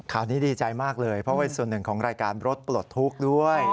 ข่าวนี้ดีใจมากเลยเพราะเป็นส่วนหนึ่งของรายการรถปลดทุกข์ด้วย